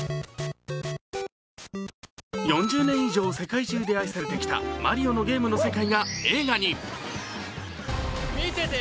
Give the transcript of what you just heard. ４０年以上、世界中で愛されてきた「マリオ」のゲームの世界が映画に。